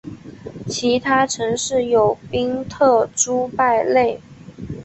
其他城市有宾特朱拜勒。